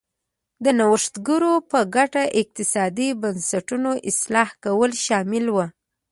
د نوښتګرو په ګټه اقتصادي بنسټونو اصلاح کول شامل و.